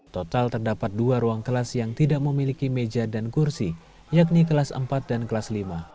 total terdapat dua ruang kelas yang tidak memiliki meja dan kursi yakni kelas empat dan kelas lima